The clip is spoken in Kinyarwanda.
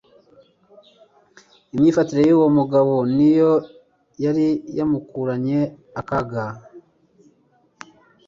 Imyifatire y'uwo mugabo ni yo yari yamukurunye ako kaga